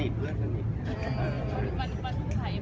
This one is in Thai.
พี่แหน่งหันคุณ